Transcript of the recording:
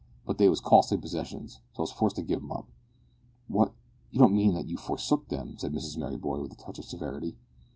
But they was costly possessions, so I was forced to give 'em up." "What! you don't mean that you forsook them?" said Mr Merryboy with a touch of severity.